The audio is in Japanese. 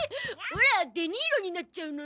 オラデニーロになっちゃうの？